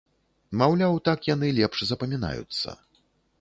Маўляў, так яны лепш запамінаюцца.